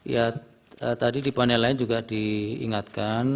ya tadi di panel lain juga diingatkan